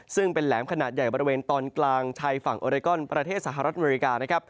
ซึ่งเป็นแหลมขนาดใหญ่บริเวณตอนกลางชายฝั่งโอเรกอนประเทศสหรัฐอเมริกานะครับ